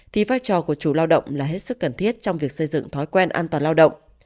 thì vai trò của chủ lao động là hết sức cần thiết trong việc xây dựng thói quen an toàn lao động